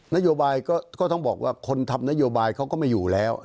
นโยบายก็ต้องบอกว่าคนทำนโยบายเขาก็ไม่อยู่แล้ว